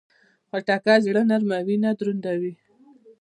خټکی زړه نرموي، نه دروندوي.